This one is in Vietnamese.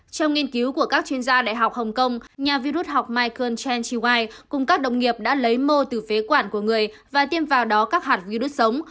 trong nghiên cứu của các chuyên gia đại học hồng kông nhà virus học michael chantuy cùng các đồng nghiệp đã lấy mô từ phế quản của người và tiêm vào đó các hạt virus sống